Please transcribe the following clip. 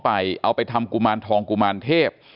เอาไปทำกุมารทองกุมารเทพ